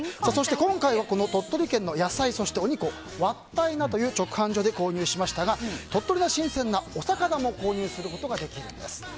今回は鳥取県の野菜お肉を、わったいなという直販所で購入しましたが鳥取の新鮮なお魚も購入することができるんです。